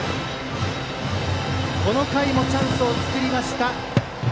この回もチャンスを作りました。